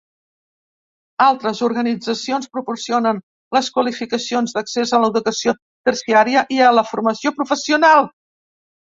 Altres organitzacions proporcionen les qualificacions d'accés a l'educació terciària i a la formació professional.